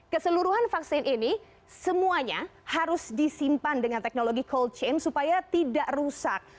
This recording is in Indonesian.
keseluruhan vaksin ini semuanya harus disimpan dengan teknologi cold chain supaya tidak rusak